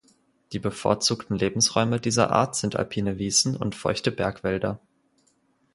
Die bevorzugten Lebensräume dieser Art sind alpine Wiesen und feuchte Bergwälder.